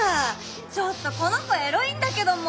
ちょっとこの子エロいんだけども。